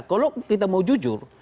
kalau kita mau jujur